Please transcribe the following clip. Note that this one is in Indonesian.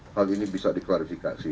hal ini bisa diklarifikasi